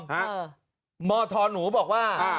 หมอทรนูบอกว่า